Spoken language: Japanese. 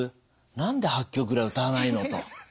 何で８曲ぐらい歌わないの？」と。